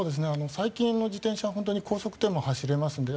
最近の自転車は本当に高速でも走れますので。